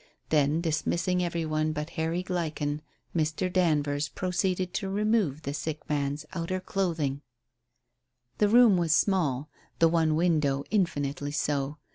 Then, dismissing everybody but Harry Gleichen, Mr. Danvers proceeded to remove the sick man's outer clothing. The room was small, the one window infinitely so.